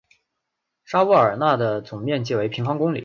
沙沃尔奈的总面积为平方公里。